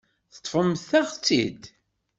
Teṭṭfemt-aɣ-tt-id.